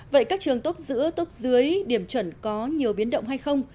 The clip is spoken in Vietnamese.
vậy các trường tốt giữa tốc dưới điểm chuẩn có nhiều biến động hay không